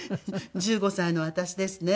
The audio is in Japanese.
１５歳の私ですね